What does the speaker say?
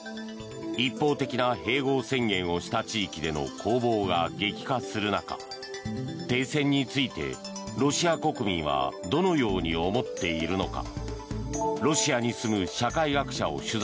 一方的な併合宣言をした地域での攻防が激化する中停戦について、ロシア国民はどのように思っているのか。